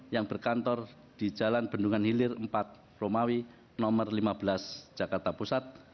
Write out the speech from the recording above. yang berkantor di jalan bendungan hilir empat romawi no lima belas jakarta pusat